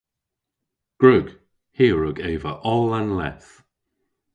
Gwrug. Hi a wrug eva oll an leth.